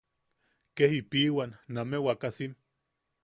Kee jipiʼiwan name wakasim.